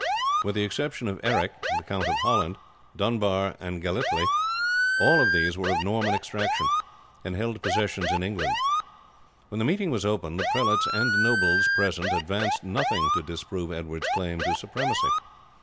With the exception of Eric, the Count of Holland, Dunbar, and Galythly, all of these were of Norman extraction, and held possessions in England. When the meeting was opened the prelates and nobles present advanced nothing to disprove Edward's claim to supremacy.